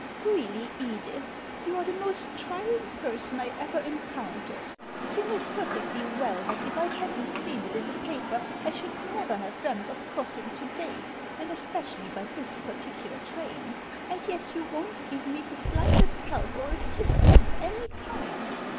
"Really, Edith, you are the most trying person I ever encountered. You know perfectly well that if I hadn't seen it in the paper I should never have dreamt of crossing to day, and especially by this particular train, and yet you won't give me the slightest help or assistance of any kind.